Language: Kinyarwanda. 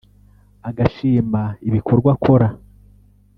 agashima ibikorwa akora